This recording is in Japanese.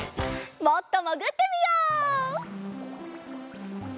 もっともぐってみよう！